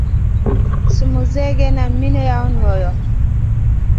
Sum mun sergue Kay min lawn ngolo.